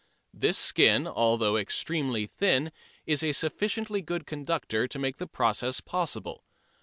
This skin, although extremely thin, is a sufficiently good conductor to make the process possible.